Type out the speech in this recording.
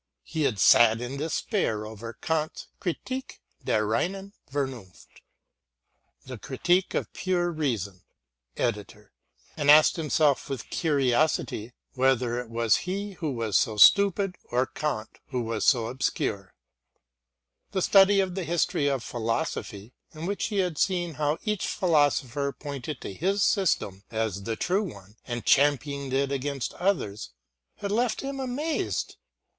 He had sat in despair over Kant's Kritik der reinen Vernunft, and asked himself with curiosity, whether it was he who was so stupid or Kant who was so obscure. The study of the history of philosophy, in which he had seen how each philosopher pointed to his system as the true one, and championed it against others, had left him amazed.